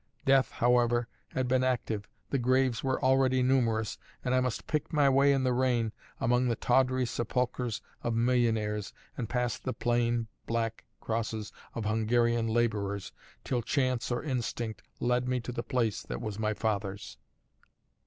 Death, however, had been active; the graves were already numerous, and I must pick my way in the rain, among the tawdry sepulchres of millionnaires, and past the plain black crosses of Hungarian labourers, till chance or instinct led me to the place that was my father's.